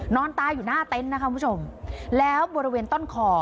นอนตายอยู่หน้าเต้นนะค่ะผู้ชมแล้วบริเวณต้นข่อ